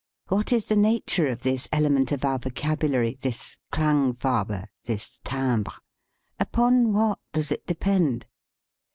What is the nature of this element of our vocabulary this Klangfarbe, this Timbre? Upon what does it depend